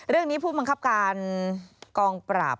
เรื่องนี้ผู้บังคับการกองปราบ